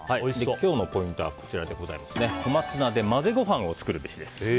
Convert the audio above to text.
今日のポイントはコマツナで混ぜごはんを作るべしです。